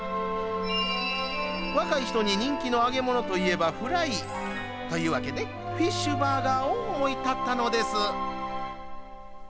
若い人に人気の揚げ物といえばフライ。というわけでフィッシュバーガーを思い立ったのです。